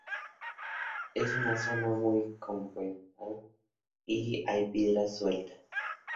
Es una zona muy descompuesta y hay piedras sueltas.